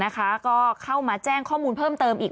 ก็เข้ามาแจ้งข้อมูลเพิ่มเติมอีก